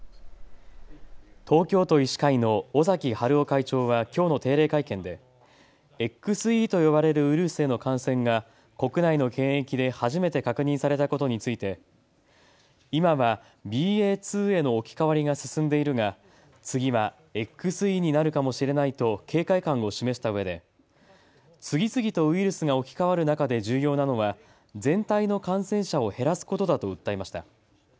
東京都医師会の尾崎治夫会長はきょうの定例会見でＸＥと呼ばれるウイルスへの感染が国内の検疫で初めて確認されたことについて今はＢＡ．２への置き換わりが進んでいるが次はＸＥになるかもしれないと警戒感を示したうえで次々とウイルスが置き換わる中で重要なのは全体の感染者を減らすことだと訴えました。